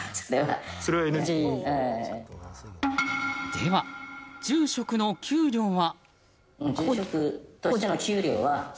では、住職の給料は？